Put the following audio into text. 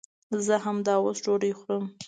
زه همداوس ډوډۍ خورم